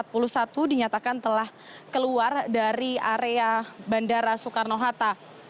pukul delapan belas empat puluh satu dinyatakan telah keluar dari area bandara soekarno hatta